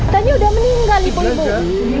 ternyata udah meninggal ibu ibu